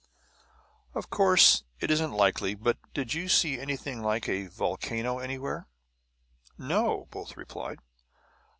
"Of course, it isn't likely, but did you see anything like a volcano anywhere?" "No," both replied.